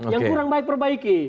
yang kurang baik perbaiki